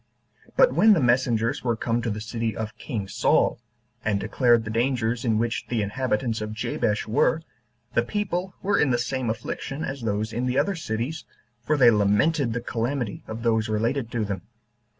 But when the messengers were come to the city of king Saul, and declared the dangers in which the inhabitants of Jabesh were, the people were in the same affliction as those in the other cities, for they lamented the calamity of those related to them.